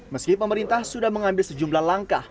meski pemerintah sudah mengambil sejumlah langkah